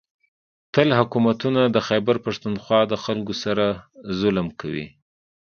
. تل حکومتونه د خېبر پښتونخوا د خلکو سره ظلم کوي